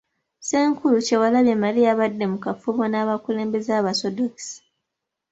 Ssenkulu Kyewalabye Male yabadde mu kafubo n'abakulembeze b'Abasoddokisi.